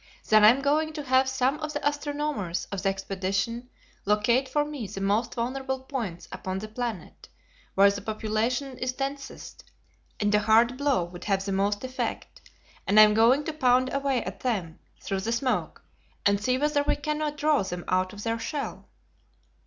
Then I am going to have some of the astronomers of the expedition locate for me the most vulnerable points upon the planet, where the population is densest and a hard blow would have the most effect, and I am going to pound away at them, through the smoke, and see whether we cannot draw them out of their shell."